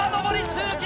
通勤